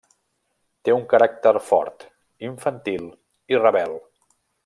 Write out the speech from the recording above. Té un caràcter fort, infantil i rebel.